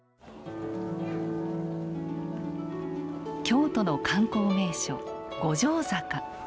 京都の観光名所五条坂。